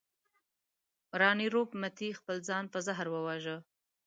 راني روپ متي خپل ځان په زهر وواژه.